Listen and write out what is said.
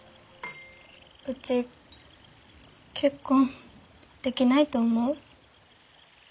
うち結婚できないと思う？